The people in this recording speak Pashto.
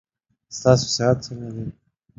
ستاسو صحت څنګه ده.